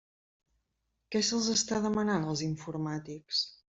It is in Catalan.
Què se'ls està demanant als informàtics?